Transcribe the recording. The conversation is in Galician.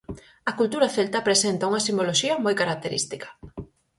A cultura celta presenta unha simboloxía moi característica.